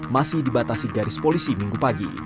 masih dibatasi garis polisi minggu pagi